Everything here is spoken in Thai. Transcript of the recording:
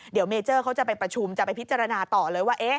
เดี๋ยวเมเจอร์เขาจะไปประชุมจะไปพิจารณาต่อเลยว่า